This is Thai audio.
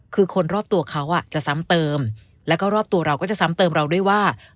คือคนรอบตัวเขาจะซ้ำเติมแล้วก็รอบตัวเราก็จะซ้ำเติมเราด้วยว่า